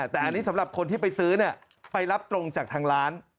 แต่อันนี้สำหรับคนที่ไปซื้อไปรับตรงจากทางร้าน